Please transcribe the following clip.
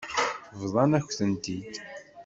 Bḍant-akent-tent-id.